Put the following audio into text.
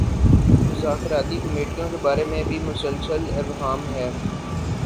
مذاکرتی کمیٹیوں کے بارے میں بھی مسلسل ابہام ہے۔